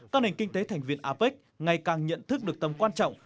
các nền kinh tế thành viên apec ngày càng nhận thức được tầm quan trọng